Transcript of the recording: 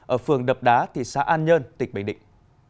ở phường đập đá thị xã an nhơn tỉnh bình định